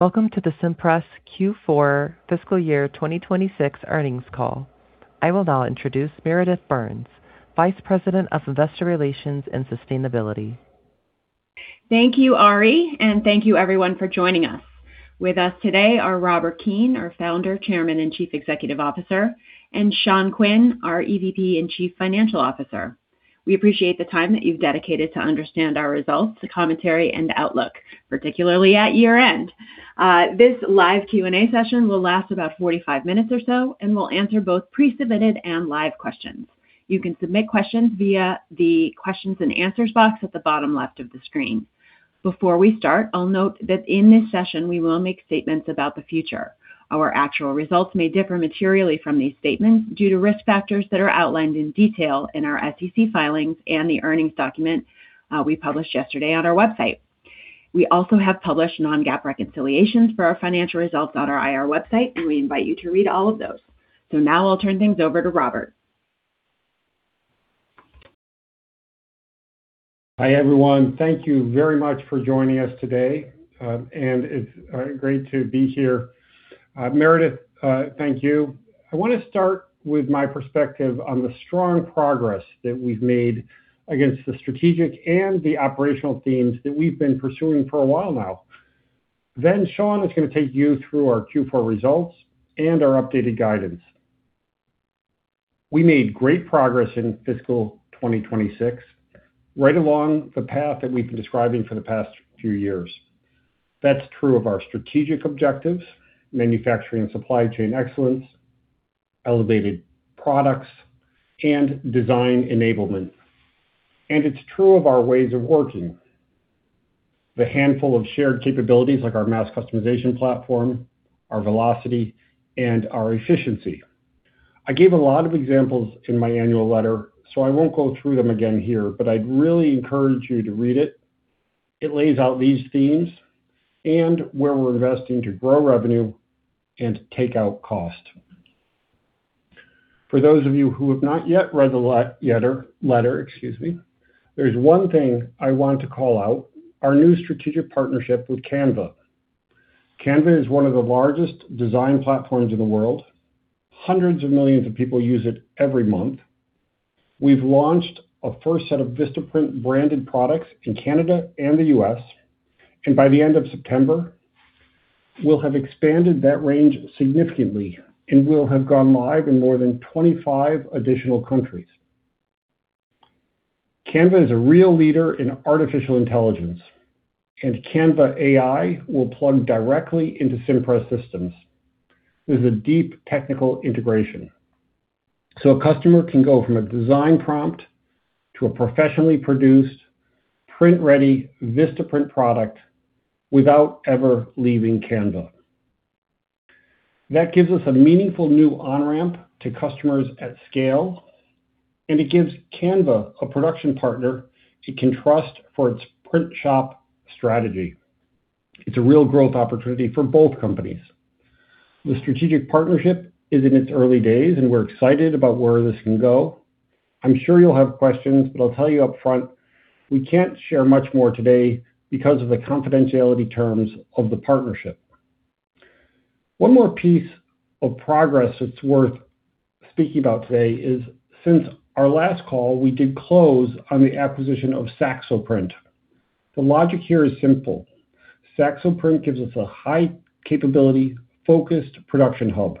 Welcome to the Cimpress Q4 fiscal year 2026 earnings call. I will now introduce Meredith Burns, Vice President of Investor Relations and Sustainability. Thank you, Ari. Thank you everyone for joining us. With us today are Robert Keane, our Founder, Chairman, and Chief Executive Officer, and Sean Quinn, our EVP and Chief Financial Officer. We appreciate the time that you've dedicated to understand our results, the commentary, and the outlook, particularly at year-end. This live Q&A session will last about 45 minutes or so. We'll answer both pre-submitted and live questions. You can submit questions via the questions and answers box at the bottom left of the screen. Before we start, I'll note that in this session, we will make statements about the future. Our actual results may differ materially from these statements due to risk factors that are outlined in detail in our SEC filings and the earnings document we published yesterday on our website We also have published non-GAAP reconciliations for our financial results on our IR website. We invite you to read all of those. Now I'll turn things over to Robert. Hi, everyone. Thank you very much for joining us today. It's great to be here. Meredith, thank you. I want to start with my perspective on the strong progress that we've made against the strategic and the operational themes that we've been pursuing for a while now. Sean is going to take you through our Q4 results and our updated guidance. We made great progress in fiscal 2026, right along the path that we've been describing for the past few years. That's true of our strategic objectives, manufacturing and supply chain excellence, elevated products, and design enablement. It's true of our ways of working. The handful of shared capabilities like our mass customization platform, our velocity, and our efficiency. I gave a lot of examples in my annual letter. I won't go through them again here, but I'd really encourage you to read it. It lays out these themes and where we're investing to grow revenue and take out cost. For those of you who have not yet read the letter, there's one thing I want to call out, our new strategic partnership with Canva. Canva is one of the largest design platforms in the world. Hundreds of millions of people use it every month. We've launched a first set of Vistaprint branded products in Canada and the U.S., and by the end of September, we'll have expanded that range significantly and will have gone live in more than 25 additional countries. Canva is a real leader in artificial intelligence, and Canva AI will plug directly into Cimpress systems. This is a deep technical integration. A customer can go from a design prompt to a professionally produced, print-ready Vistaprint product without ever leaving Canva. That gives us a meaningful new on-ramp to customers at scale, it gives Canva a production partner it can trust for its print shop strategy. It's a real growth opportunity for both companies. The strategic partnership is in its early days, we're excited about where this can go. I'm sure you'll have questions, I'll tell you up front, we can't share much more today because of the confidentiality terms of the partnership. One more piece of progress that's worth speaking about today is since our last call, we did close on the acquisition of Saxoprint. The logic here is simple. Saxoprint gives us a high capability, focused production hub,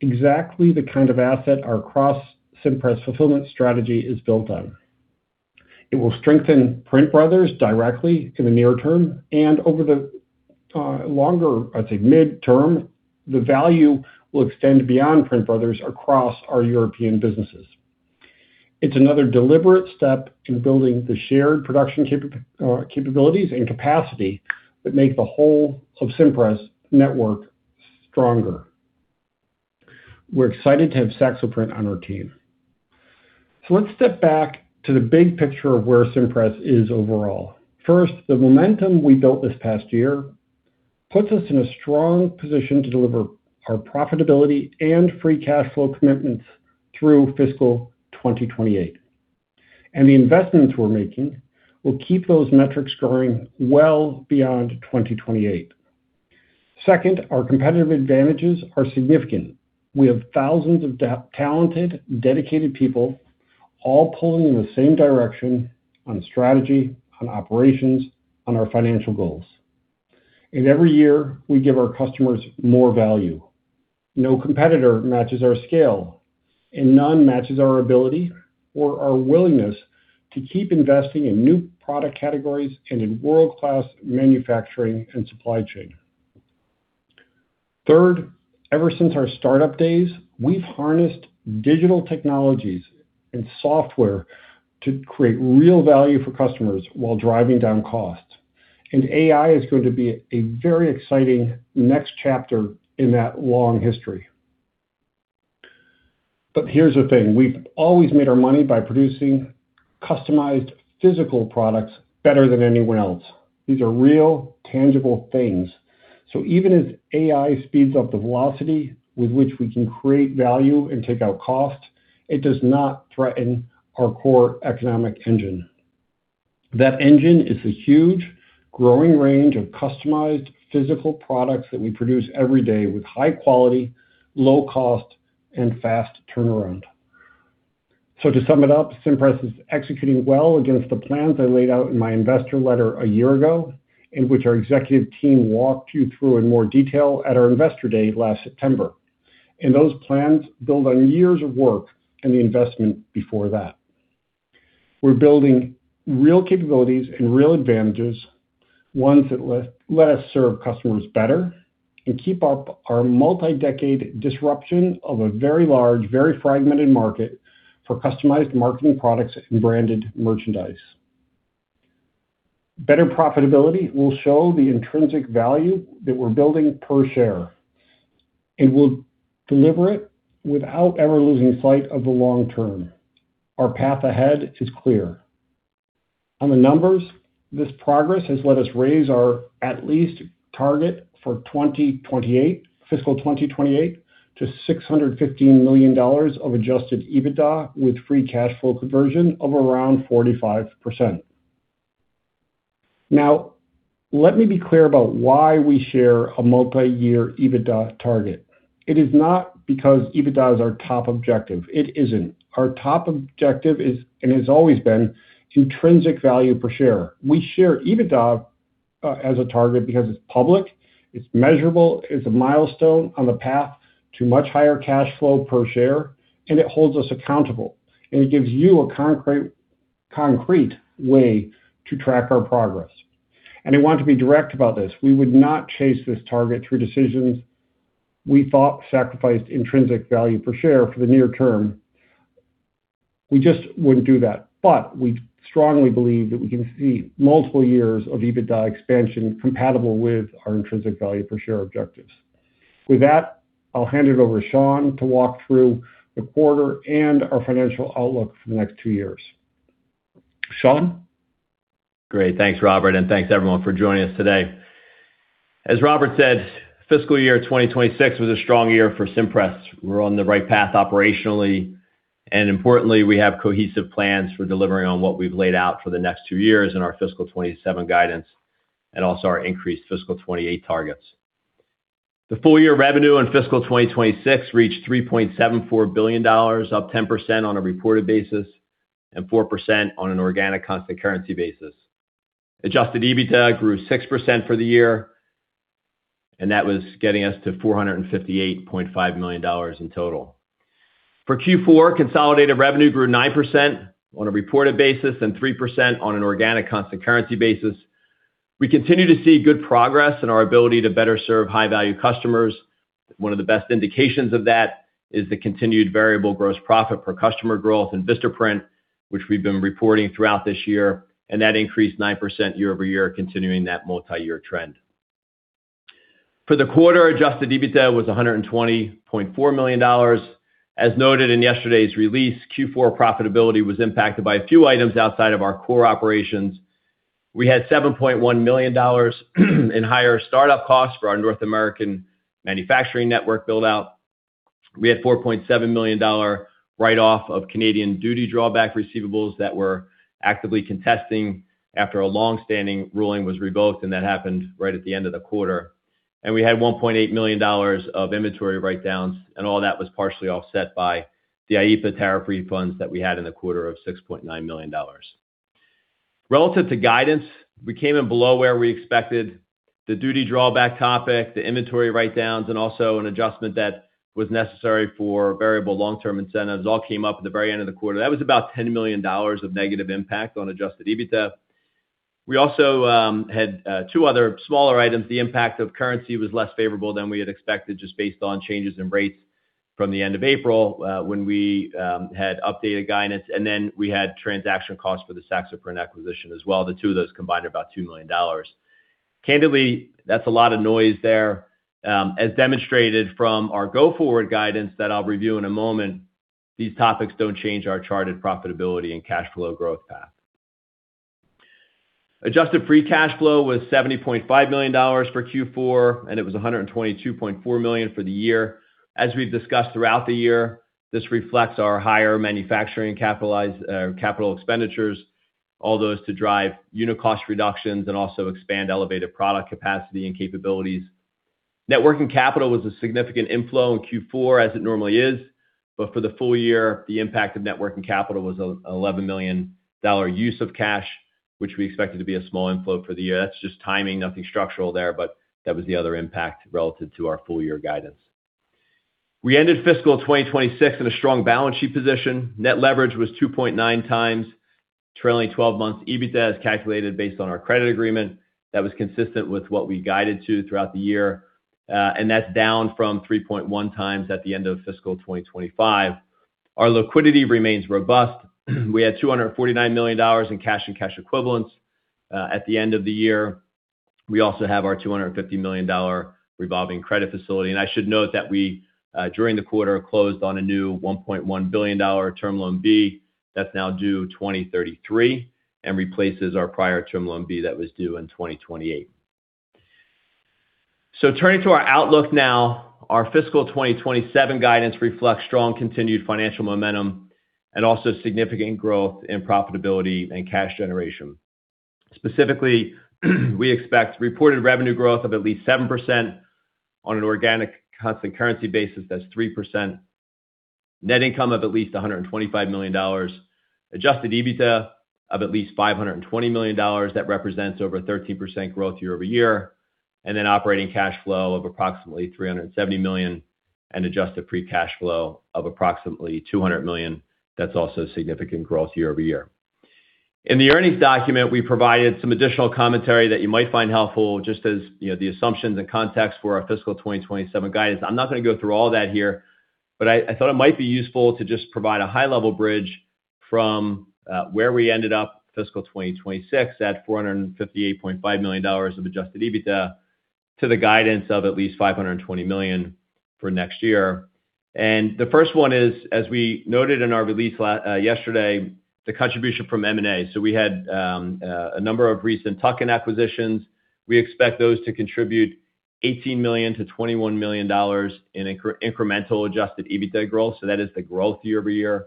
exactly the kind of asset our Cross-Cimpress Fulfillment strategy is built on. It will strengthen PrintBrothers directly in the near term, over the longer, I'd say midterm, the value will extend beyond PrintBrothers across our European businesses. It's another deliberate step in building the shared production capabilities and capacity that make the whole of Cimpress network stronger. We're excited to have Saxoprint on our team. Let's step back to the big picture of where Cimpress is overall. First, the momentum we built this past year puts us in a strong position to deliver our profitability and free cash flow commitments through fiscal 2028. The investments we're making will keep those metrics growing well beyond 2028. Second, our competitive advantages are significant. We have thousands of talented, dedicated people all pulling in the same direction on strategy, on operations, on our financial goals. Every year, we give our customers more value. No competitor matches our scale, none matches our ability or our willingness to keep investing in new product categories and in world-class manufacturing and supply chain. Third, ever since our startup days, we've harnessed digital technologies and software to create real value for customers while driving down costs. AI is going to be a very exciting next chapter in that long history. Here's the thing. We've always made our money by producing customized physical products better than anyone else. These are real, tangible things. Even as AI speeds up the velocity with which we can create value and take out cost, it does not threaten our core economic engine. That engine is a huge, growing range of customized physical products that we produce every day with high quality, low cost, and fast turnaround. To sum it up, Cimpress is executing well against the plans I laid out in my investor letter a year ago, which our executive team walked you through in more detail at our Investor Day last September. Those plans build on years of work and the investment before that. We're building real capabilities and real advantages, ones that let us serve customers better and keep up our multi-decade disruption of a very large, very fragmented market for customized marketing products and branded merchandise. Better profitability will show the intrinsic value that we're building per share, we'll deliver it without ever losing sight of the long term. Our path ahead is clear. On the numbers, this progress has let us raise our at least target for fiscal 2028 to $615 million of Adjusted EBITDA, with free cash flow conversion of around 45%. Let me be clear about why we share a multi-year EBITDA target. It is not because EBITDA is our top objective. It isn't. Our top objective is, has always been, intrinsic value per share. We share EBITDA as a target because it's public, it's measurable, it's a milestone on the path to much higher cash flow per share, it holds us accountable, it gives you a concrete way to track our progress. I want to be direct about this. We would not chase this target through decisions we thought sacrificed intrinsic value per share for the near term. We just wouldn't do that. We strongly believe that we can see multiple years of EBITDA expansion compatible with our intrinsic value per share objectives. With that, I'll hand it over to Sean to walk through the quarter and our financial outlook for the next two years. Sean? Great. Thanks, Robert, and thanks, everyone, for joining us today. As Robert said, fiscal 2026 was a strong year for Cimpress. We're on the right path operationally, importantly, we have cohesive plans for delivering on what we've laid out for the next two years in our fiscal 2027 guidance, also our increased fiscal 2028 targets. The full-year revenue in fiscal 2026 reached $3.74 billion, up 10% on a reported basis, 4% on an organic constant currency basis. Adjusted EBITDA grew 6% for the year, that was getting us to $458.5 million in total. For Q4, consolidated revenue grew 9% on a reported basis 3% on an organic constant currency basis. We continue to see good progress in our ability to better serve high-value customers. One of the best indications of that is the continued variable gross profit per customer growth in Vistaprint, which we've been reporting throughout this year. That increased 9% year-over-year, continuing that multi-year trend. For the quarter, Adjusted EBITDA was $120.4 million. As noted in yesterday's release, Q4 profitability was impacted by a few items outside of our core operations. We had $7.1 million in higher startup costs for our North American manufacturing network build-out. We had a $4.7 million write-off of Canadian duty drawback receivables that we're actively contesting after a long-standing ruling was revoked, and that happened right at the end of the quarter. We had $1.8 million of inventory write-downs, and all that was partially offset by the IEEPA tariff refunds that we had in the quarter of $6.9 million. Relative to guidance, we came in below where we expected. The duty drawback topic, the inventory write-downs, and also an adjustment that was necessary for variable long-term incentives all came up at the very end of the quarter. That was about $10 million of negative impact on Adjusted EBITDA. We also had two other smaller items. The impact of currency was less favorable than we had expected, just based on changes in rates from the end of April, when we had updated guidance. We had transaction costs for the Saxoprint acquisition as well. The two of those combined are about $2 million. Candidly, that's a lot of noise there. As demonstrated from our go-forward guidance that I'll review in a moment, these topics don't change our charted profitability and cash flow growth path. Adjusted free cash flow was $70.5 million for Q4, and it was $122.4 million for the year. As we've discussed throughout the year, this reflects our higher manufacturing capital expenditures, all those to drive unit cost reductions and also expand elevated product capacity and capabilities. Net working capital was a significant inflow in Q4, as it normally is. For the full year, the impact of net working capital was an $11 million use of cash, which we expected to be a small inflow for the year. That's just timing, nothing structural there, but that was the other impact relative to our full-year guidance. We ended Fiscal 2026 in a strong balance sheet position. Net leverage was 2.9x trailing 12 months EBITDA, as calculated based on our credit agreement. That was consistent with what we guided to throughout the year. That's down from 3.1x at the end of Fiscal 2025. Our liquidity remains robust. We had $249 million in cash and cash equivalents at the end of the year. We also have our $250 million revolving credit facility. I should note that we, during the quarter, closed on a new $1.1 billion term loan B that's now due 2033 and replaces our prior term loan B that was due in 2028. Turning to our outlook now, our Fiscal 2027 guidance reflects strong continued financial momentum and also significant growth in profitability and cash generation. Specifically, we expect reported revenue growth of at least 7% on an organic constant currency basis, that's 3%. Net income of at least $125 million. Adjusted EBITDA of at least $520 million. That represents over 13% growth year-over-year. Operating cash flow of approximately $370 million, and adjusted free cash flow of approximately $200 million. That's also significant growth year-over-year. In the earnings document, we provided some additional commentary that you might find helpful, just as the assumptions and context for our fiscal 2027 guidance. I'm not going to go through all that here, but I thought it might be useful to just provide a high-level bridge from where we ended up fiscal 2026 at $458.5 million of Adjusted EBITDA to the guidance of at least $520 million for next year. The first one is, as we noted in our release yesterday, the contribution from M&A. We had a number of recent tuck-in acquisitions. We expect those to contribute $18 million-$21 million in incremental Adjusted EBITDA growth. That is the growth year-over-year.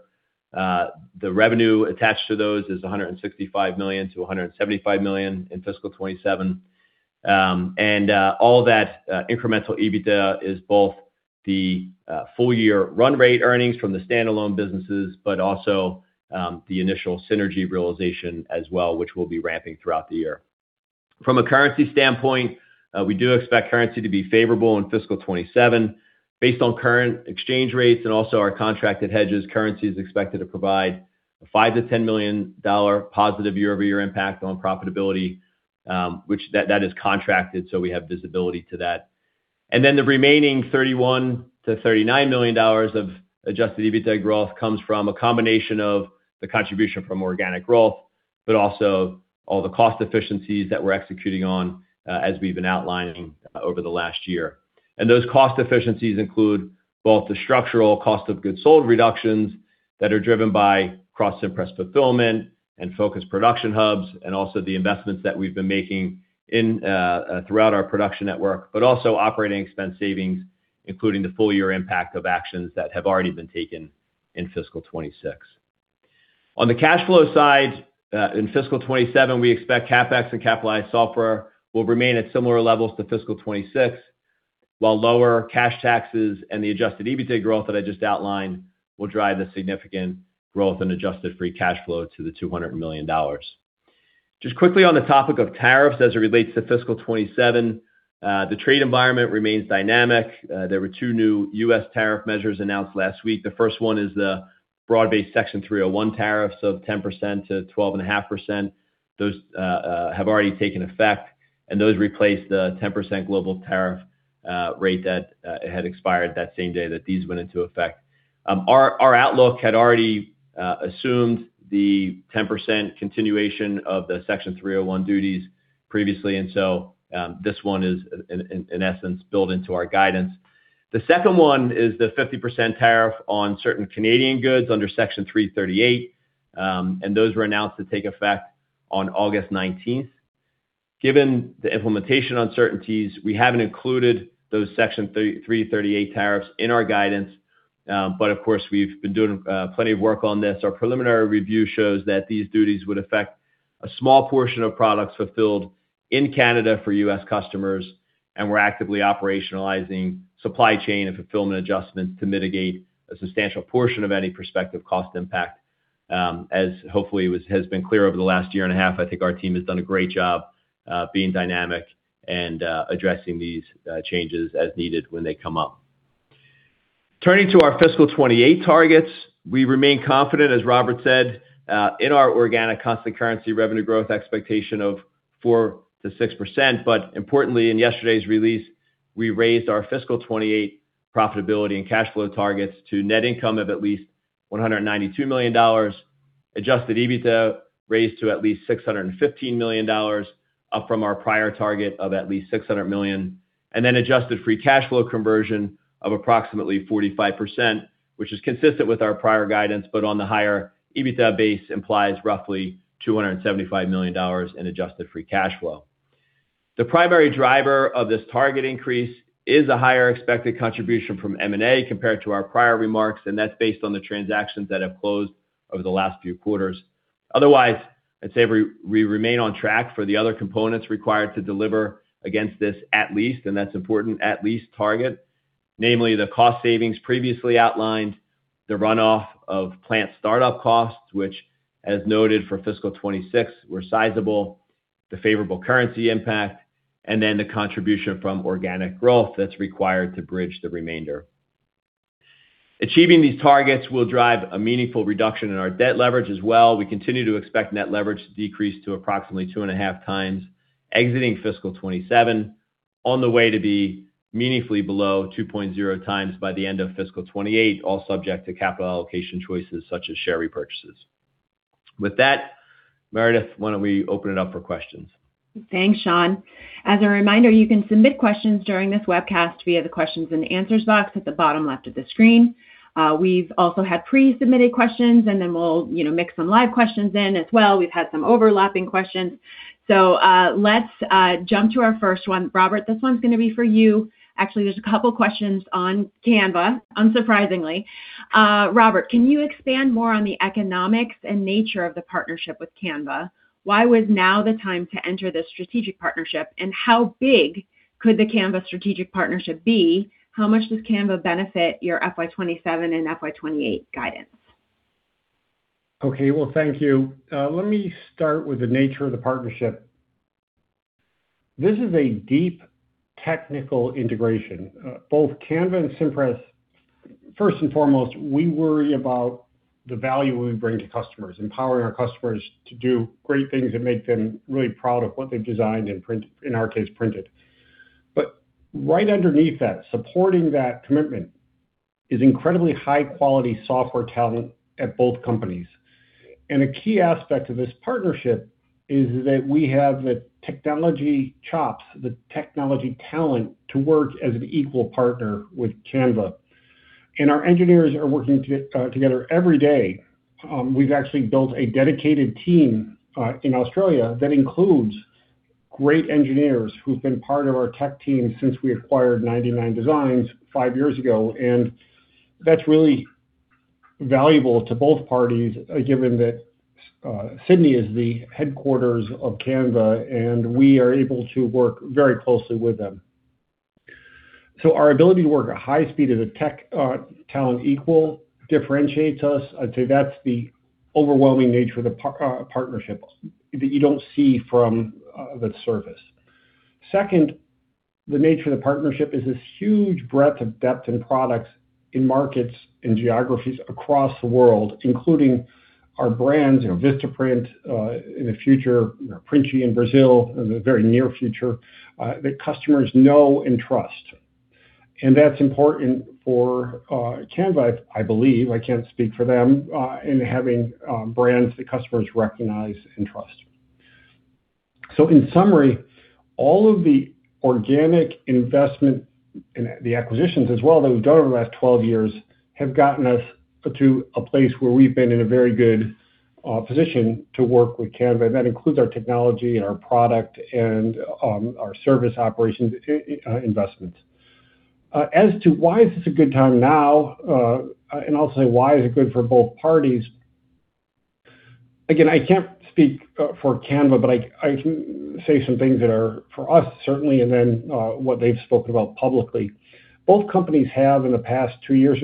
The revenue attached to those is $165 million-$175 million in fiscal 2027. All that incremental EBITDA is both the full-year run rate earnings from the standalone businesses, but also the initial synergy realization as well, which we'll be ramping throughout the year. From a currency standpoint, we do expect currency to be favorable in fiscal 2027. Based on current exchange rates and also our contracted hedges, currency is expected to provide a $5 million-$10 million positive year-over-year impact on profitability, which that is contracted, so we have visibility to that. The remaining $31 million-$39 million of Adjusted EBITDA growth comes from a combination of the contribution from organic growth, but also all the cost efficiencies that we're executing on as we've been outlining over the last year. Those cost efficiencies include both the structural cost of goods sold reductions that are driven by Cross-Cimpress Fulfillment and focus production hubs, but also the investments that we've been making throughout our production network, but also operating expense savings, including the full year impact of actions that have already been taken in fiscal 2026. On the cash flow side, in fiscal 2027, we expect CapEx and capitalized software will remain at similar levels to fiscal 2026, while lower cash taxes and the Adjusted EBITDA growth that I just outlined will drive the significant growth in adjusted free cash flow to $200 million. Just quickly on the topic of tariffs as it relates to fiscal 2027, the trade environment remains dynamic. There were two new U.S. tariff measures announced last week. The first one is the broad-based Section 301 tariffs of 10%-12.5%. Those have already taken effect, those replace the 10% global tariff rate that had expired that same day that these went into effect. Our outlook had already assumed the 10% continuation of the Section 301 duties previously, this one is, in essence, built into our guidance. The second one is the 50% tariff on certain Canadian goods under Section 338, those were announced to take effect on August 19th. Given the implementation uncertainties, we haven't included those Section 338 tariffs in our guidance. Of course, we've been doing plenty of work on this. Our preliminary review shows that these duties would affect a small portion of products fulfilled in Canada for U.S. customers, we're actively operationalizing supply chain and fulfillment adjustments to mitigate a substantial portion of any prospective cost impact. As hopefully it has been clear over the last year and a half, I think our team has done a great job being dynamic and addressing these changes as needed when they come up. Turning to our fiscal 2028 targets, we remain confident, as Robert said, in our organic constant currency revenue growth expectation of 4%-6%. Importantly, in yesterday's release, we raised our fiscal 2028 profitability and cash flow targets to net income of at least $192 million, Adjusted EBITDA raised to at least $615 million, up from our prior target of at least $600 million, and adjusted free cash flow conversion of approximately 45%, which is consistent with our prior guidance, but on the higher EBITDA base implies roughly $275 million in adjusted free cash flow. The primary driver of this target increase is a higher expected contribution from M&A compared to our prior remarks. That's based on the transactions that have closed over the last few quarters. Otherwise, I'd say we remain on track for the other components required to deliver against this at least, and that's important at least target. Namely, the cost savings previously outlined, the runoff of plant startup costs, which as noted for fiscal 2026, were sizable, the favorable currency impact, and the contribution from organic growth that's required to bridge the remainder. Achieving these targets will drive a meaningful reduction in our debt leverage as well. We continue to expect net leverage to decrease to approximately 2.5x exiting fiscal 2027 on the way to be meaningfully below 2.0x by the end of fiscal 2028, all subject to capital allocation choices such as share repurchases. With that, Meredith, why don't we open it up for questions? Thanks, Sean. As a reminder, you can submit questions during this webcast via the questions and answers box at the bottom left of the screen. We've also had pre-submitted questions. We'll mix some live questions in as well. We've had some overlapping questions. Let's jump to our first one. Robert, this one's going to be for you. Actually, there's a couple of questions on Canva, unsurprisingly. Robert, can you expand more on the economics and nature of the partnership with Canva? Why was now the time to enter this strategic partnership, and how big could the Canva strategic partnership be? How much does Canva benefit your fiscal 2027 and fiscal 2028 guidance? Okay. Well, thank you. Let me start with the nature of the partnership. This is a deep technical integration. Both Canva and Cimpress, first and foremost, we worry about the value we bring to customers, empowering our customers to do great things and make them really proud of what they've designed and, in our case, printed. Right underneath that, supporting that commitment is incredibly high-quality software talent at both companies. A key aspect of this partnership is that we have the technology chops, the technology talent to work as an equal partner with Canva. Our engineers are working together every day. We've actually built a dedicated team in Australia that includes great engineers who've been part of our tech team since we acquired 99designs five years ago, and that's really valuable to both parties, given that Sydney is the headquarters of Canva, and we are able to work very closely with them. Our ability to work at high speed as a tech talent equal differentiates us. I'd say that's the overwhelming nature of the partnership that you don't see from the surface. Second, the nature of the partnership is this huge breadth of depth in products in markets and geographies across the world, including our brands, Vistaprint, in the future, Printi in Brazil, in the very near future, that customers know and trust. That's important for Canva, I believe, I can't speak for them, in having brands that customers recognize and trust. In summary, all of the organic investment, and the acquisitions as well that we've done over the last 12 years, have gotten us to a place where we've been in a very good position to work with Canva, and that includes our technology and our product and our service operations investments. As to why is this a good time now, and also why is it good for both parties, again, I can't speak for Canva, but I can say some things that are for us, certainly, and then what they've spoken about publicly. Both companies have, in the past two years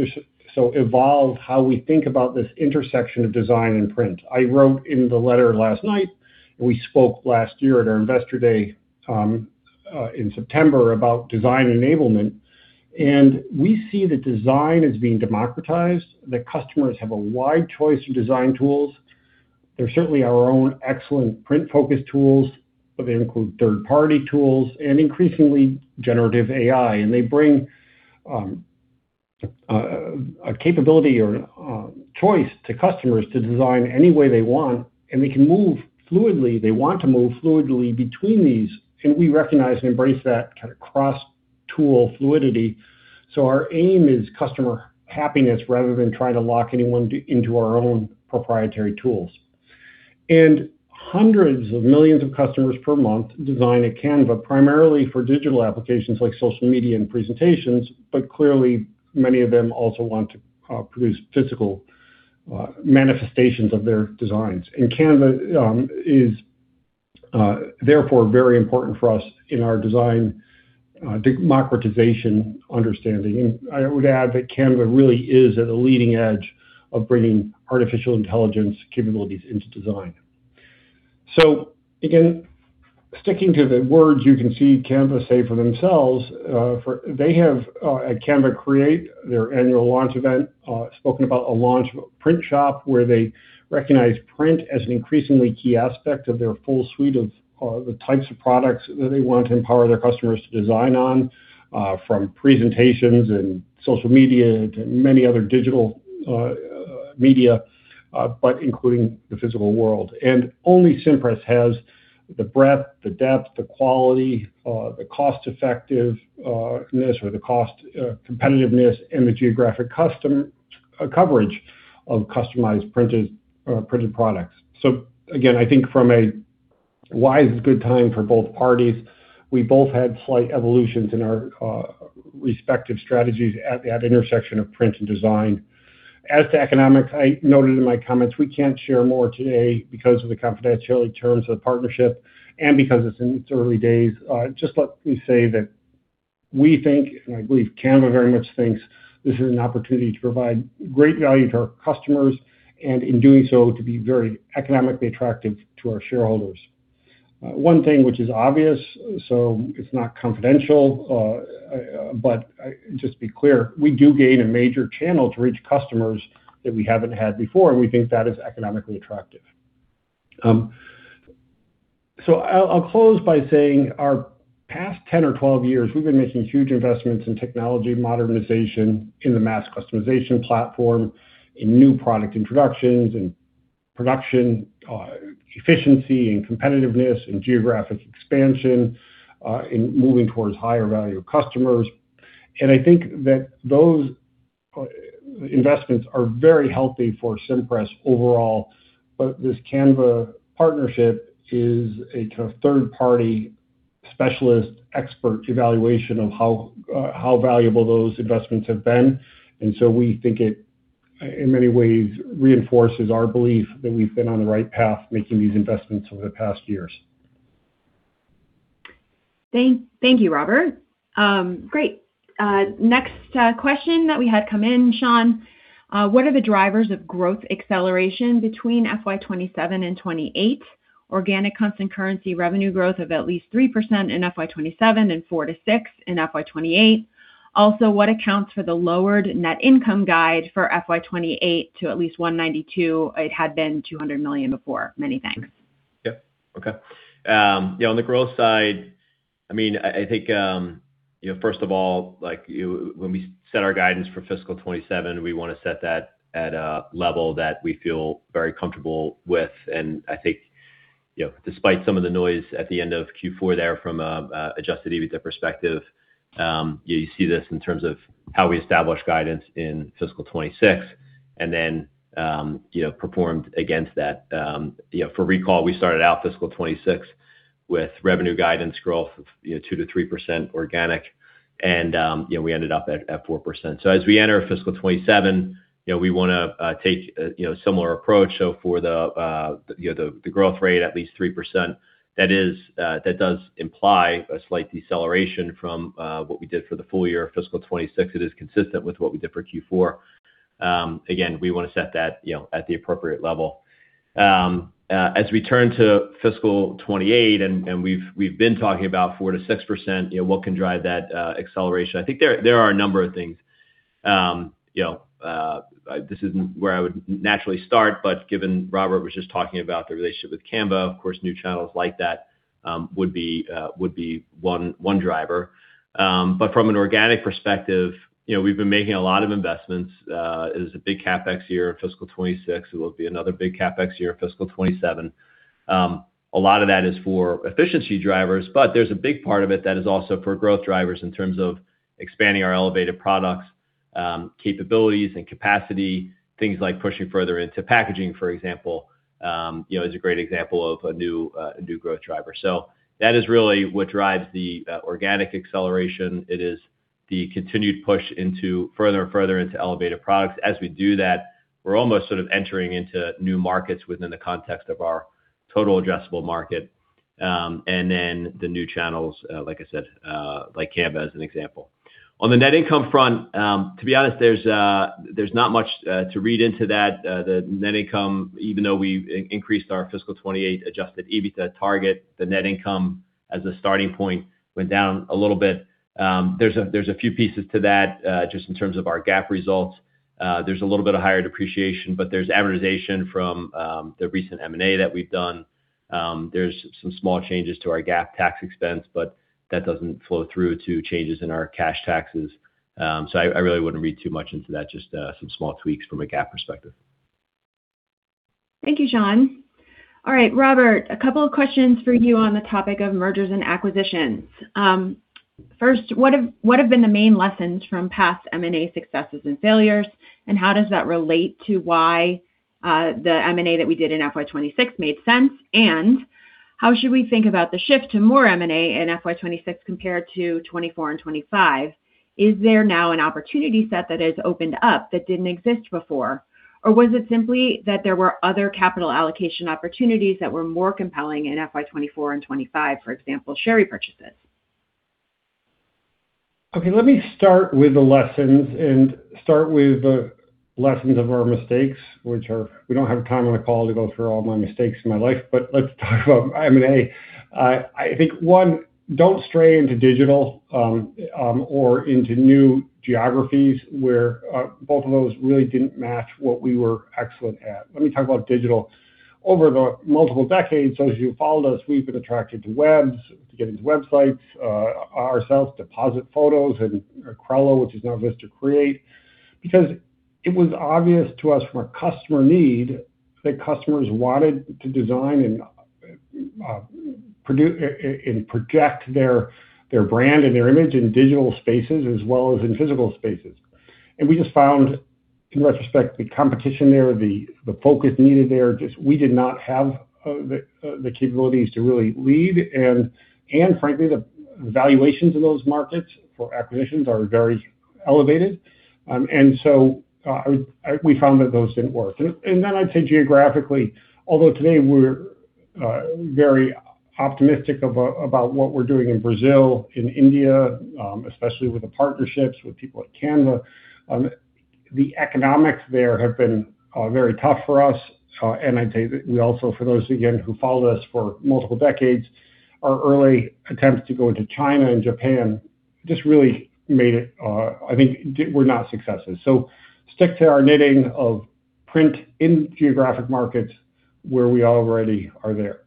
or so, evolved how we think about this intersection of design and print. I wrote in the letter last night, and we spoke last year at our Investor Day in September about design enablement, and we see that design is being democratized, that customers have a wide choice of design tools. There's certainly our own excellent print-focused tools, but they include third-party tools and increasingly generative AI, and they bring a capability or choice to customers to design any way they want, and they can move fluidly. They want to move fluidly between these, and we recognize and embrace that kind of cross-tool fluidity. Our aim is customer happiness rather than trying to lock anyone into our own proprietary tools. Hundreds of millions of customers per month design at Canva, primarily for digital applications like social media and presentations, but clearly many of them also want to produce physical manifestations of their designs. Canva is therefore very important for us in our design democratization understanding. I would add that Canva really is at the leading edge of bringing artificial intelligence capabilities into design. Again, sticking to the words you can see Canva say for themselves, they have at Canva Create, their annual launch event, spoken about a launch of a print shop where they recognize print as an increasingly key aspect of their full suite of the types of products that they want to empower their customers to design on, from presentations and social media to many other digital media, but including the physical world. Only Cimpress has the breadth, the depth, the quality, the cost-effectiveness or the cost competitiveness, and the geographic coverage of customized printed products. Again, I think from a why is this a good time for both parties, we both had slight evolutions in our respective strategies at the intersection of print and design. As to economics, I noted in my comments, we can't share more today because of the confidentiality terms of the partnership and because it's in its early days. Just let me say that we think, and I believe Canva very much thinks, this is an opportunity to provide great value to our customers, and in doing so, to be very economically attractive to our shareholders. One thing which is obvious, so it's not confidential, but just to be clear, we do gain a major channel to reach customers that we haven't had before, and we think that is economically attractive. I'll close by saying our past 10 or 12 years, we've been making huge investments in technology modernization in the mass customization platform, in new product introductions, in production efficiency, in competitiveness, in geographic expansion, in moving towards higher value customers. I think that those investments are very healthy for Cimpress overall. This Canva partnership is a third-party specialist expert evaluation of how valuable those investments have been. We think it, in many ways, reinforces our belief that we've been on the right path making these investments over the past years. Thank you, Robert. Great. Next question that we had come in, Sean. What are the drivers of growth acceleration between FY 2027 and 2028? Organic constant currency revenue growth of at least 3% in FY 2027 and 4%-6% in FY 2028. Also, what accounts for the lowered net income guide for FY 2028 to at least $192 million? It had been $200 million before. Many thanks. Yep. Okay. On the growth side, I think first of all, when we set our guidance for fiscal 2027, we want to set that at a level that we feel very comfortable with. I think despite some of the noise at the end of Q4 there from an Adjusted EBITDA perspective, you see this in terms of how we established guidance in fiscal 2026 and then performed against that. For recall, we started out fiscal 2026 with revenue guidance growth of 2%-3% organic, and we ended up at 4%. As we enter fiscal 2027, we want to take a similar approach. For the growth rate, at least 3%. That does imply a slight deceleration from what we did for the full year of fiscal 2026. It is consistent with what we did for Q4. Again, we want to set that at the appropriate level. As we turn to fiscal 2028, we've been talking about 4%-6%, what can drive that acceleration? I think there are a number of things. This isn't where I would naturally start, but given Robert was just talking about the relationship with Canva, of course, new channels like that would be one driver. From an organic perspective, we've been making a lot of investments. It is a big CapEx year in fiscal 2026. It will be another big CapEx year in fiscal 2027. A lot of that is for efficiency drivers, but there's a big part of it that is also for growth drivers in terms of expanding our elevated products capabilities and capacity. Things like pushing further into packaging, for example, is a great example of a new growth driver. That is really what drives the organic acceleration. It is the continued push further and further into elevated products. As we do that, we're almost sort of entering into new markets within the context of our total addressable market. Then the new channels, like I said, like Canva as an example. On the net income front, to be honest, there's not much to read into that. The net income, even though we increased our fiscal 2028 Adjusted EBITDA target, the net income as a starting point went down a little bit. There's a few pieces to that, just in terms of our GAAP results. There's a little bit of higher depreciation, but there's amortization from the recent M&A that we've done. There's some small changes to our GAAP tax expense, but that doesn't flow through to changes in our cash taxes. I really wouldn't read too much into that, just some small tweaks from a GAAP perspective. Thank you, Sean. All right, Robert, a couple of questions for you on the topic of mergers and acquisitions. First, what have been the main lessons from past M&A successes and failures, and how does that relate to why the M&A that we did in FY 2026 made sense? How should we think about the shift to more M&A in FY 2026 compared to 2024 and 2025? Is there now an opportunity set that has opened up that didn't exist before? Or was it simply that there were other capital allocation opportunities that were more compelling in FY 2024 and 2025, for example, share repurchases? Okay, let me start with the lessons and start with lessons of our mistakes, which are we don't have time on the call to go through all my mistakes in my life, but let's talk about M&A. I think, one, don't stray into digital or into new geographies where both of those really didn't match what we were excellent at. Let me talk about digital. Over the multiple decades, those of you who followed us, we've been attracted to Webs, to getting to websites ourselves, Depositphotos, and Crello, which is now VistaCreate. Because it was obvious to us from a customer need that customers wanted to design and project their brand and their image in digital spaces as well as in physical spaces. We just found, in retrospect, the competition there, the focus needed there, just we did not have the capabilities to really lead. Frankly, the valuations in those markets for acquisitions are very elevated. We found that those didn't work. I'd say geographically, although today we're very optimistic about what we're doing in Brazil, in India, especially with the partnerships with people like Canva, the economics there have been very tough for us. I'd say that we also, for those, again, who followed us for multiple decades, our early attempts to go into China and Japan just really made it, I think, were not successes. Stick to our knitting of print in geographic markets where we already are there.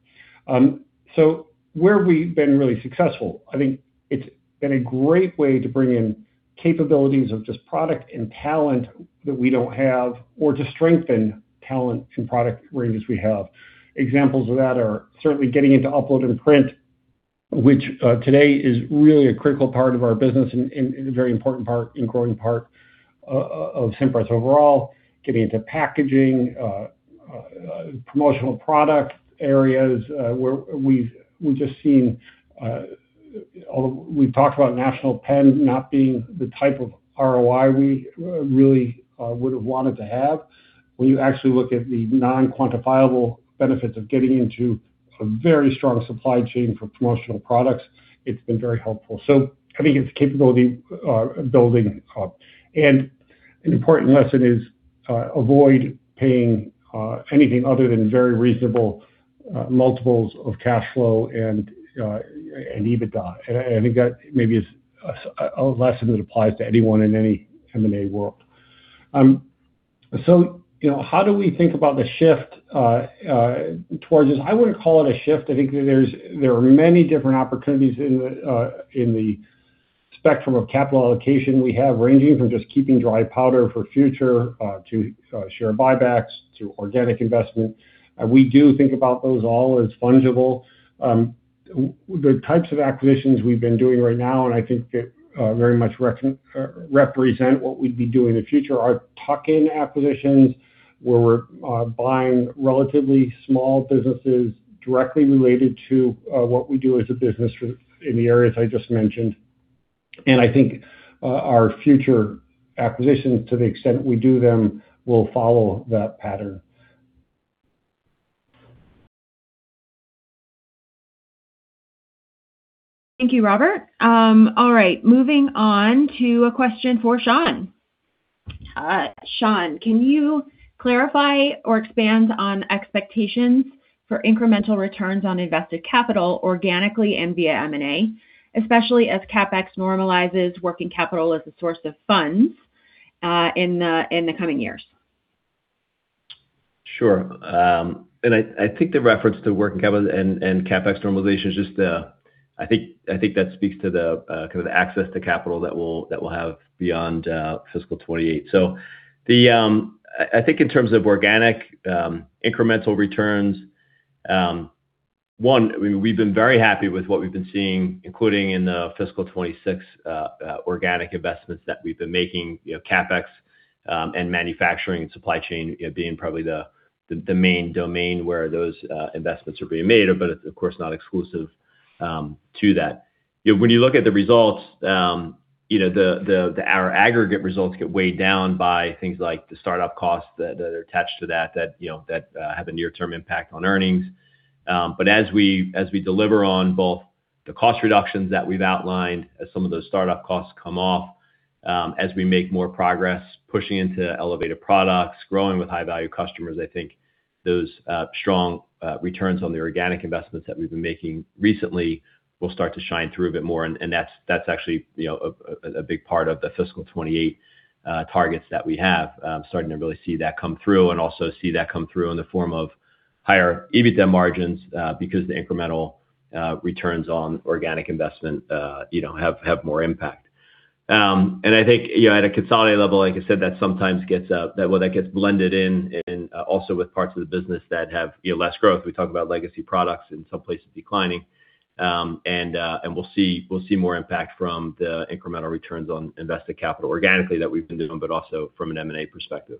Where we've been really successful, I think it's been a great way to bring in capabilities of just product and talent that we don't have or to strengthen talent and product ranges we have. Examples of that are certainly getting into Upload & Print, which today is really a critical part of our business and a very important part and growing part of Cimpress overall. Getting into packaging, promotional product areas, where we've just seen We've talked about National Pen not being the type of ROI we really would've wanted to have. When you actually look at the non-quantifiable benefits of getting into a very strong supply chain for promotional products, it's been very helpful. I think it's capability building up. An important lesson is, avoid paying anything other than very reasonable multiples of cash flow and EBITDA. I think that maybe is a lesson that applies to anyone in any M&A world. How do we think about the shift towards this? I wouldn't call it a shift. I think that there are many different opportunities in the spectrum of capital allocation we have, ranging from just keeping dry powder for future, to share buybacks, to organic investment. We do think about those all as fungible. The types of acquisitions we've been doing right now, and I think they very much represent what we'd be doing in the future, are tuck-in acquisitions, where we're buying relatively small businesses directly related to what we do as a business in the areas I just mentioned. I think our future acquisitions, to the extent we do them, will follow that pattern. Thank you, Robert. All right. Moving on to a question for Sean. Sean, can you clarify or expand on expectations for incremental returns on invested capital organically and via M&A, especially as CapEx normalizes working capital as a source of funds in the coming years? Sure. I think the reference to working capital and CapEx normalization is just, I think that speaks to the kind of access to capital that we'll have beyond fiscal 2028. I think in terms of organic incremental returns, one, we've been very happy with what we've been seeing, including in the fiscal 2026 organic investments that we've been making, CapEx and manufacturing and supply chain being probably the main domain where those investments are being made. It's of course not exclusive to that. When you look at the results, our aggregate results get weighed down by things like the startup costs that are attached to that have a near-term impact on earnings. As we deliver on both the cost reductions that we've outlined as some of those startup costs come off, as we make more progress pushing into elevated products, growing with high-value customers, I think those strong returns on the organic investments that we've been making recently will start to shine through a bit more. That's actually a big part of the fiscal 2028 targets that we have. Starting to really see that come through and also see that come through in the form of higher EBITDA margins, because the incremental returns on organic investment have more impact. I think at a consolidated level, like I said, that sometimes gets blended in also with parts of the business that have less growth. We talk about legacy products in some places declining. We'll see more impact from the incremental returns on invested capital organically that we've been doing, but also from an M&A perspective.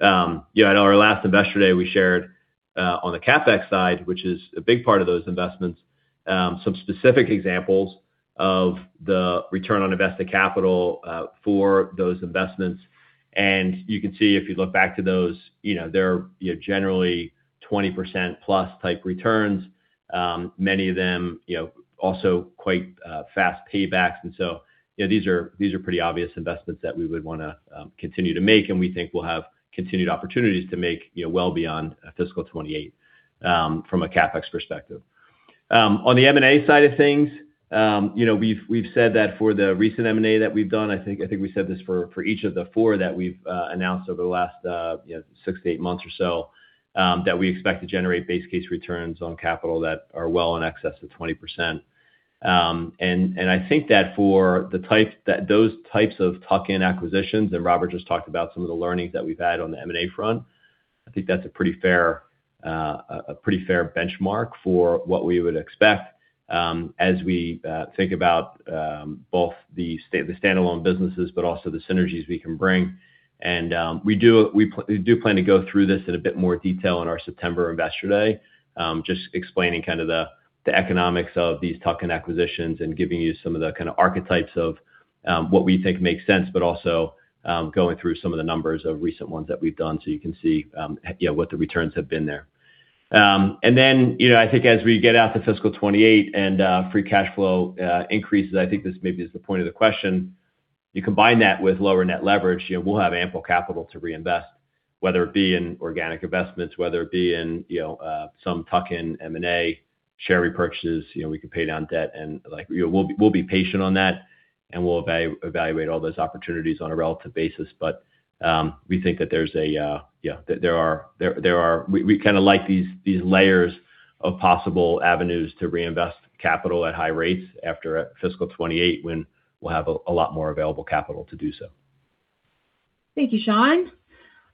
At our last Investor Day, we shared on the CapEx side, which is a big part of those investments, some specific examples of the return on invested capital for those investments. You can see if you look back to those, they're generally 20%+ type returns. Many of them also quite fast paybacks. These are pretty obvious investments that we would want to continue to make, and we think we'll have continued opportunities to make well beyond fiscal 2028 from a CapEx perspective. On the M&A side of things, we've said that for the recent M&A that we've done, I think we said this for each of the four that we've announced over the last six to eight months or so, that we expect to generate base case returns on capital that are well in excess of 20%. I think that for those types of tuck-in acquisitions, and Robert just talked about some of the learnings that we've had on the M&A front, I think that's a pretty fair benchmark for what we would expect as we think about both the standalone businesses, but also the synergies we can bring. We do plan to go through this in a bit more detail in our September Investor Day. Just explaining kind of the economics of these tuck-in acquisitions and giving you some of the kind of archetypes of what we think makes sense, but also going through some of the numbers of recent ones that we've done so you can see what the returns have been there. Then, I think as we get out to fiscal 2028 and free cash flow increases, I think this maybe is the point of the question. You combine that with lower net leverage, we'll have ample capital to reinvest, whether it be in organic investments, whether it be in some tuck-in M&A, share repurchases, we can pay down debt. We'll be patient on that, and we'll evaluate all those opportunities on a relative basis. We think that we like these layers of possible avenues to reinvest capital at high rates after fiscal 2028, when we'll have a lot more available capital to do so. Thank you, Sean.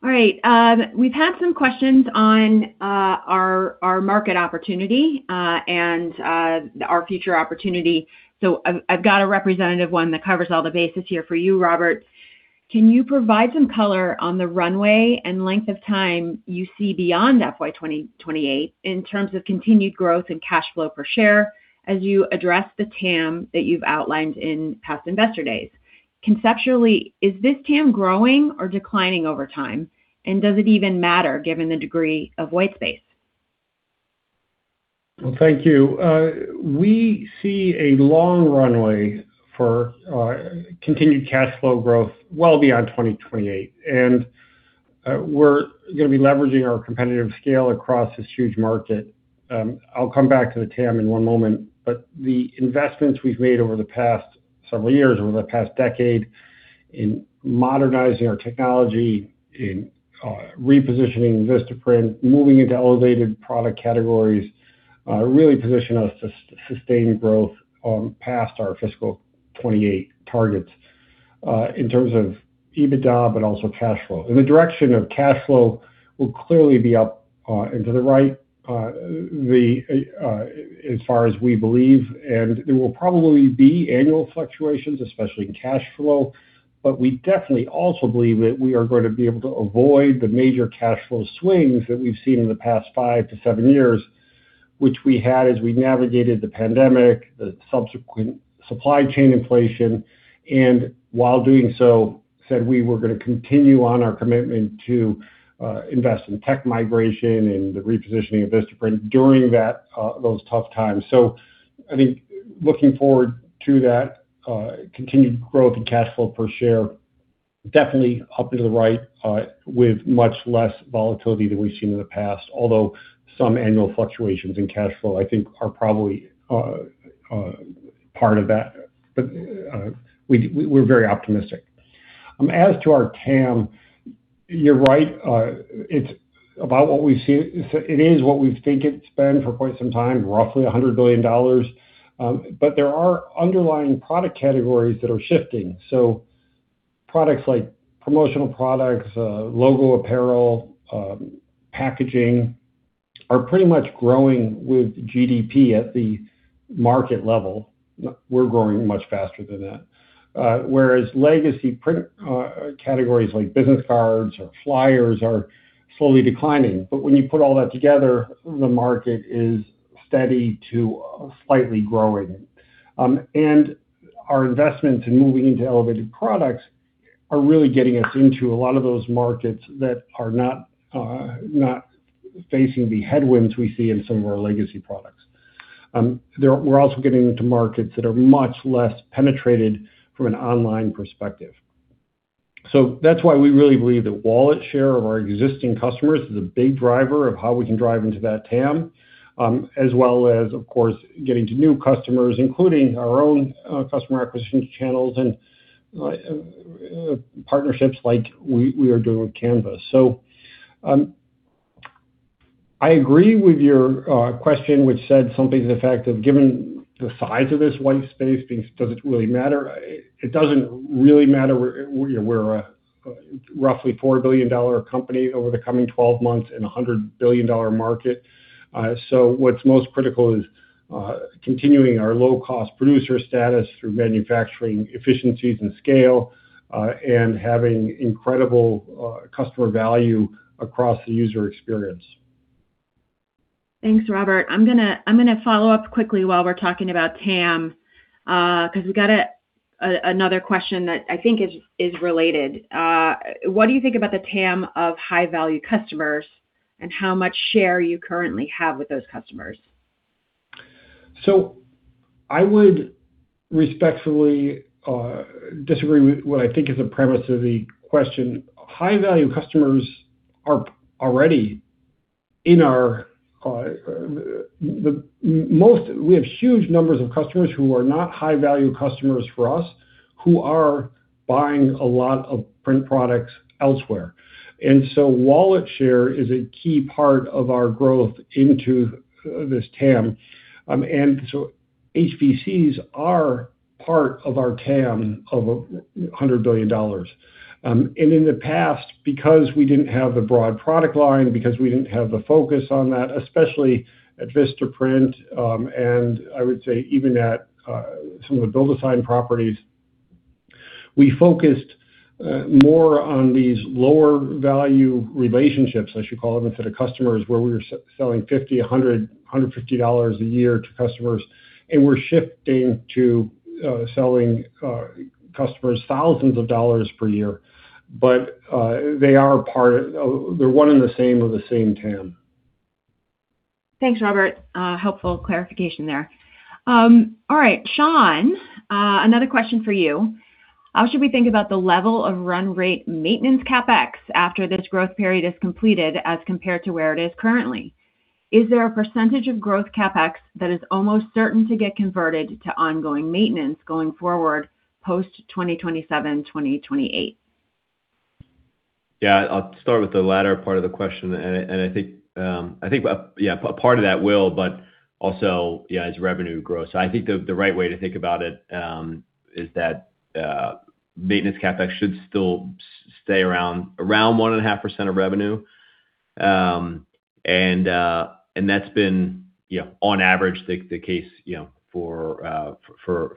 All right. We've had some questions on our market opportunity, and our future opportunity. I've got a representative one that covers all the bases here for you, Robert. Can you provide some color on the runway and length of time you see beyond FY 2028 in terms of continued growth and cash flow per share as you address the TAM that you've outlined in past investor days? Conceptually, is this TAM growing or declining over time? Does it even matter given the degree of white space? Well, thank you. We see a long runway for our continued cash flow growth well beyond 2028. We're going to be leveraging our competitive scale across this huge market. I'll come back to the TAM in one moment, but the investments we've made over the past several years, over the past decade in modernizing our technology, in repositioning Vistaprint, moving into elevated product categories really position us to sustain growth past our fiscal 2028 targets. In terms of EBITDA, but also cash flow. The direction of cash flow will clearly be up and to the right as far as we believe, and there will probably be annual fluctuations, especially in cash flow. We definitely also believe that we are going to be able to avoid the major cash flow swings that we've seen in the past five to seven years, which we had as we navigated the pandemic, the subsequent supply chain inflation, and while doing so, said we were going to continue on our commitment to invest in tech migration and the repositioning of Vistaprint during those tough times. I think looking forward to that continued growth in cash flow per share, definitely up and to the right, with much less volatility than we've seen in the past. Although some annual fluctuations in cash flow, I think, are probably part of that. We're very optimistic. As to our TAM, you're right. It is what we think it's been for quite some time, roughly $100 billion. There are underlying product categories that are shifting. Products like promotional products, logo apparel, packaging, are pretty much growing with GDP at the market level. We're growing much faster than that. Whereas legacy print categories like business cards or flyers are slowly declining. When you put all that together, the market is steady to slightly growing. Our investment in moving into elevated products are really getting us into a lot of those markets that are not facing the headwinds we see in some of our legacy products. We're also getting into markets that are much less penetrated from an online perspective. That's why we really believe that wallet share of our existing customers is a big driver of how we can drive into that TAM, as well as, of course, getting to new customers, including our own customer acquisition channels and partnerships like we are doing with Canva. I agree with your question, which said something to the effect of, given the size of this white space, does it really matter? It doesn't really matter. We're a roughly $4 billion company over the coming 12 months in a $100 billion market. What's most critical is continuing our low-cost producer status through manufacturing efficiencies and scale, and having incredible customer value across the user experience. Thanks, Robert. I'm going to follow up quickly while we're talking about TAM, because we've got another question that I think is related. What do you think about the TAM of high-value customers, and how much share you currently have with those customers? I would respectfully disagree with what I think is the premise of the question. We have huge numbers of customers who are not high-value customers for us, who are buying a lot of print products elsewhere. Wallet share is a key part of our growth into this TAM. HVCs are part of our TAM of $100 billion. In the past, because we didn't have the broad product line, because we didn't have the focus on that, especially at Vistaprint, and I would say even at some of the BuildASign properties, we focused more on these lower value relationships, as you call them, and for the customers where we were selling $50, $100, $150 a year to customers, and we're shifting to selling customers thousands of dollars per year. They're one and the same of the same TAM. Thanks, Robert. Helpful clarification there. All right, Sean, another question for you. How should we think about the level of run rate maintenance CapEx after this growth period is completed as compared to where it is currently? Is there a percentage of growth CapEx that is almost certain to get converted to ongoing maintenance going forward post 2027, 2028? Yeah. I'll start with the latter part of the question, and I think part of that will, but also as revenue grows. I think the right way to think about it is that maintenance CapEx should still stay around 1.5% of revenue. That's been on average the case for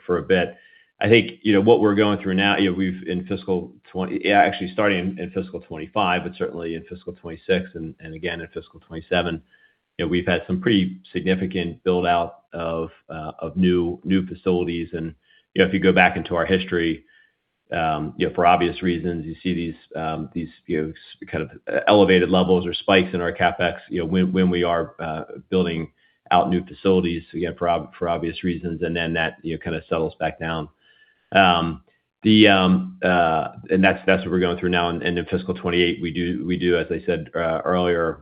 a bit. I think what we're going through now, actually starting in fiscal 2025, but certainly in fiscal 2026 and again in fiscal 2027, we've had some pretty significant build-out of new facilities. If you go back into our history, for obvious reasons, you see these kind of elevated levels or spikes in our CapEx when we are building out new facilities for obvious reasons, and then that kind of settles back down. That's what we're going through now. In fiscal 2028, as I said earlier,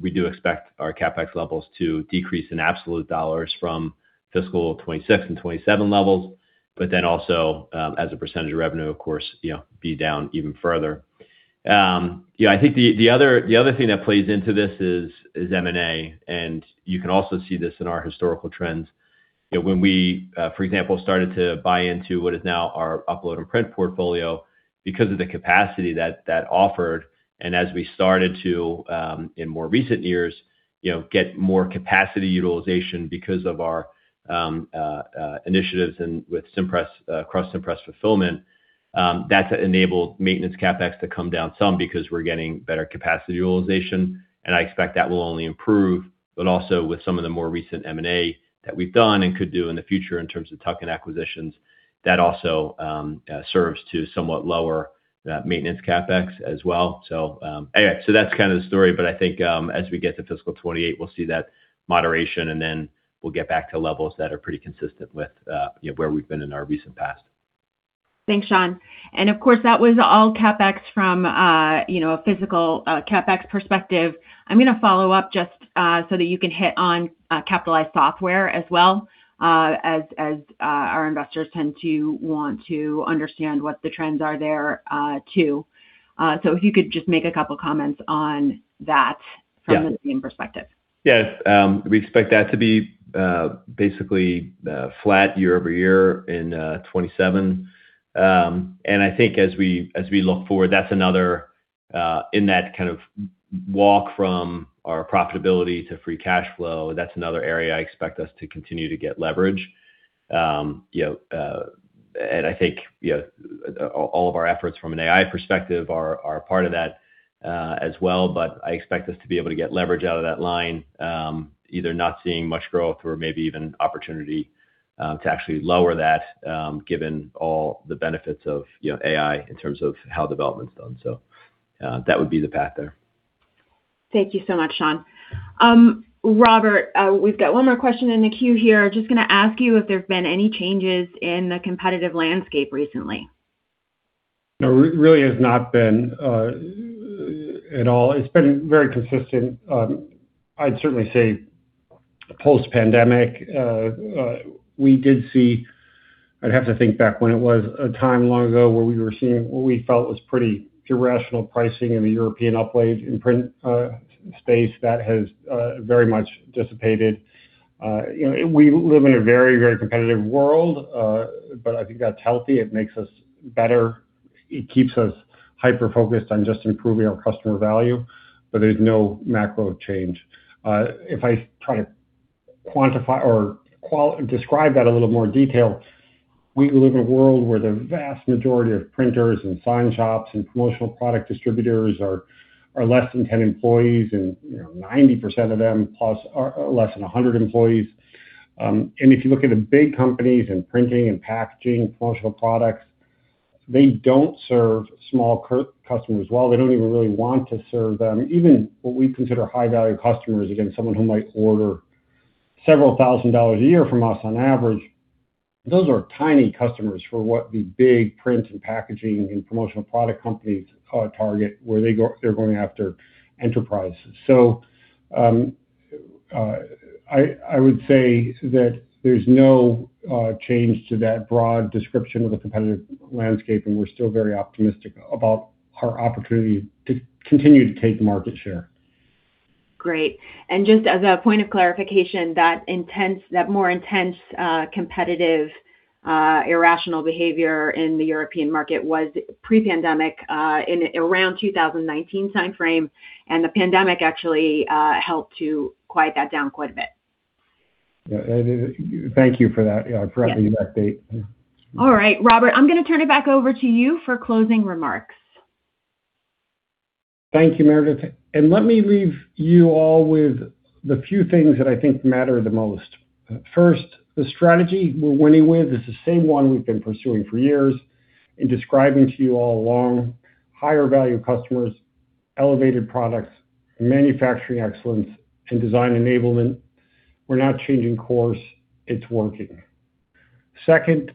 we do expect our CapEx levels to decrease in absolute dollars from fiscal 2026 and 2027 levels. Also, as a percentage of revenue, of course, be down even further. I think the other thing that plays into this is M&A. You can also see this in our historical trends. When we, for example, started to buy into what is now our Upload & Print portfolio because of the capacity that that offered, and as we started to, in more recent years, get more capacity utilization because of our initiatives and with Cross-Cimpress Fulfillment, that's enabled maintenance CapEx to come down some because we're getting better capacity utilization. I expect that will only improve. Also with some of the more recent M&A that we've done and could do in the future in terms of tuck-in acquisitions, that also serves to somewhat lower that maintenance CapEx as well. That's kind of the story, but I think as we get to fiscal 2028, we'll see that moderation, and then we'll get back to levels that are pretty consistent with where we've been in our recent past. Thanks, Sean. Of course, that was all CapEx from a physical CapEx perspective. I'm going to follow up just so that you can hit on capitalized software as well, as our investors tend to want to understand what the trends are there, too. If you could just make a couple comments on that. Yeah from the same perspective. Yes. We expect that to be basically flat year-over-year in 2027. I think as we look forward, in that kind of walk from our profitability to free cash flow, that's another area I expect us to continue to get leverage. I think all of our efforts from an AI perspective are part of that as well. I expect us to be able to get leverage out of that line, either not seeing much growth or maybe even opportunity to actually lower that, given all the benefits of AI in terms of how development's done. That would be the path there. Thank you so much, Sean. Robert, we've got one more question in the queue here. Just going to ask you if there's been any changes in the competitive landscape recently. No, really has not been at all. It's been very consistent. I'd certainly say post-pandemic, we did see, I'd have to think back when it was a time long ago where we were seeing what we felt was pretty irrational pricing in the European Upload & Print space that has very much dissipated. We live in a very competitive world. I think that's healthy. It makes us better. It keeps us hyper-focused on just improving our customer value. There's no macro change. If I try to quantify or describe that in a little more detail, we live in a world where the vast majority of printers and sign shops and promotional product distributors are less than ten employees, and 90% of them plus are less than 100 employees. If you look at the big companies in printing and packaging, promotional products, they don't serve small customers well. They don't even really want to serve them. Even what we consider high-value customers, again, someone who might order several thousand dollars a year from us on average, those are tiny customers for what the big print and packaging and promotional product companies target, where they're going after enterprises. I would say that there's no change to that broad description of the competitive landscape, and we're still very optimistic about our opportunity to continue to take market share. Great. Just as a point of clarification, that more intense competitive irrational behavior in the European market was pre-pandemic, in around 2019 timeframe, and the pandemic actually helped to quiet that down quite a bit. Yeah. Thank you for that. Yeah for that update. All right. Robert, I'm going to turn it back over to you for closing remarks. Thank you, Meredith. Let me leave you all with the few things that I think matter the most. First, the strategy we're winning with is the same one we've been pursuing for years and describing to you all along. Higher-value customers, elevated products, manufacturing excellence, and design enablement. We're not changing course. It's working. Second,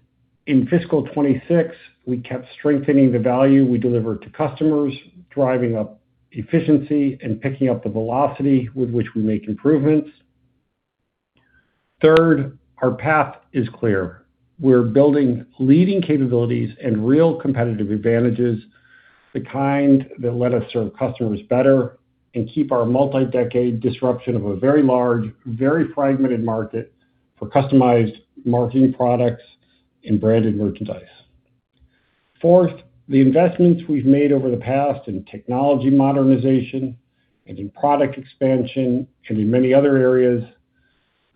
in fiscal 2026, we kept strengthening the value we deliver to customers, driving up efficiency and picking up the velocity with which we make improvements. Third, our path is clear. We're building leading capabilities and real competitive advantages, the kind that let us serve customers better and keep our multi-decade disruption of a very large, very fragmented market for customized marketing products and branded merchandise. Fourth, the investments we've made over the past in technology modernization and in product expansion, and in many other areas,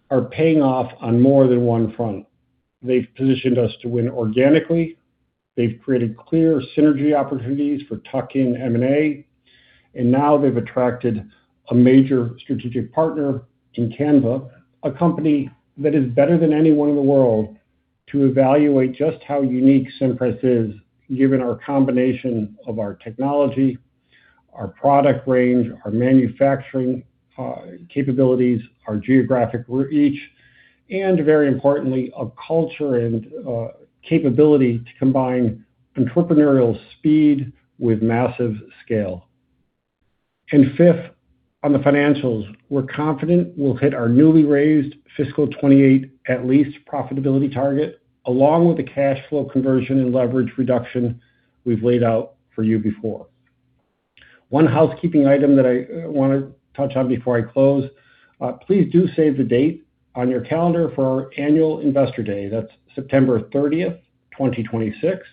are paying off on more than one front. They've positioned us to win organically. They've created clear synergy opportunities for tuck-in M&A, and now they've attracted a major strategic partner in Canva, a company that is better than anyone in the world to evaluate just how unique Cimpress is given our combination of our technology, our product range, our manufacturing capabilities, our geographic reach, and very importantly, a culture and capability to combine entrepreneurial speed with massive scale. Fifth, on the financials, we're confident we'll hit our newly raised fiscal 2028 at least profitability target, along with the cash flow conversion and leverage reduction we've laid out for you before. One housekeeping item that I want to touch on before I close. Please do save the date on your calendar for our annual Investor Day. That's September 30th, 2026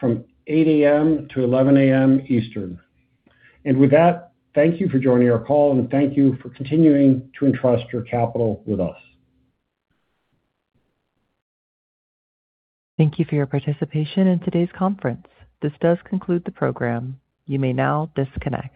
from 8:00 A.M. to 11:00 A.M. Eastern. With that, thank you for joining our call and thank you for continuing to entrust your capital with us. Thank you for your participation in today's conference. This does conclude the program. You may now disconnect.